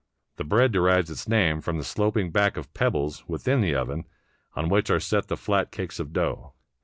The bread de rives its name from the sloping back of pebbles (within the oven) on which are set the flat cakes of dough.